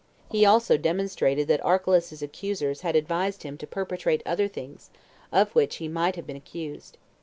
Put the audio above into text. He also demonstrated that Archelaus's accusers had advised him to perpetrate other things of which he might have been accused.